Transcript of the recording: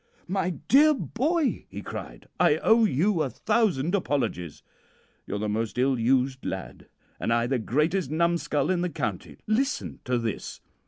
"'My dear boy,' he cried, 'I owe you a thousand apologies. You're the most ill used lad and I the greatest numskull in the county. Listen to this!'